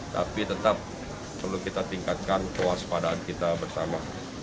tapi tetap perlu kita tingkatkan kewaspadaan kita bersama